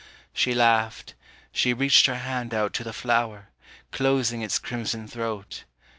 She laughed, she reached her hand out to the flower, Closing its crimson throat.